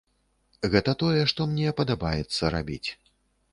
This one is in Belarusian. Гэта тое, што мне падабаецца рабіць.